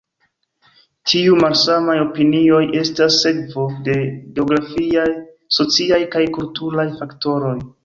Tiuj malsamaj opinioj estas sekvo de geografiaj, sociaj kaj kulturaj faktoroj.